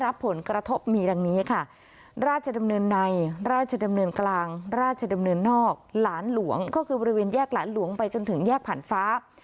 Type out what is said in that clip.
บริเวณแยกหลานหลวงไปจนถึงแยกผ่านฟ้า